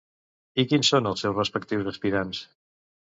I quins són els seus respectius aspirants?